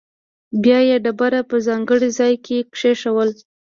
بیا یې ډبره په ځانګړي ځاې کې کېښوده.